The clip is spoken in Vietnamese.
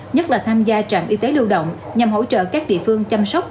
nhất là tham gia trạm y tế lưu động nhằm hỗ trợ các địa phương